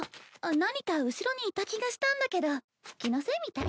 何か後ろにいた気がしたんだけど気のせいみたい。